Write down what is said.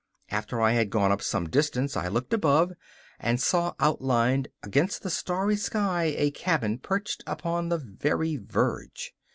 After I had gone up some distance I looked above, and saw outlined against the starry sky a cabin perched upon the very verge.